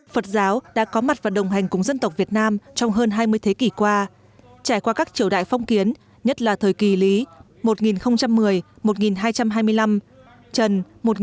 phật giáo đã có mặt và đồng hành cùng dân tộc việt nam trong hơn hai mươi thế kỷ qua trải qua các triều đại phong kiến nhất là thời kỳ lý một nghìn một mươi một nghìn hai trăm hai mươi năm trần một nghìn hai trăm hai mươi năm một nghìn bốn trăm linh